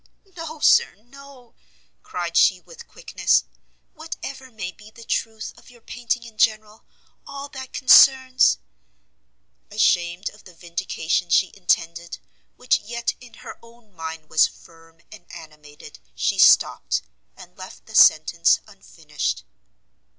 "No, Sir, no," cried she, with quickness; "whatever may be the truth of your painting in general, all that concerns " Ashamed of the vindication she intended, which yet in her own mind was firm and animated, she stopt, and left the sentence unfinished.